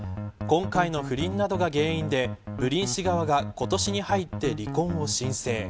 今回の不倫などが原因でブリン氏側が今年に入って離婚を申請。